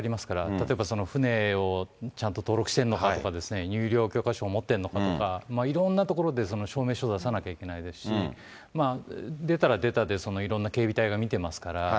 例えばその船をちゃんと登録してんのかとか、入漁許可証を持っているのかとか、いろんなところでその証明書を出さなきゃいけないですし、出たら出たで、いろんな警備隊が見ていますから。